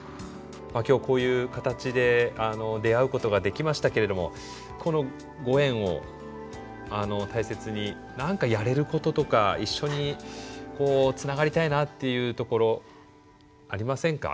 今日こういう形で出会うことができましたけれどもこのご縁を大切に何かやれることとか一緒にこうつながりたいなっていうところありませんか？